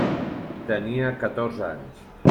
Tenia catorze anys.